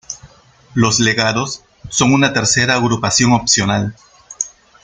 Los legados son una tercera agrupación opcional.